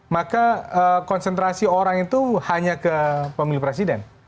maka konsentrasi orang itu hanya ke pemilu presiden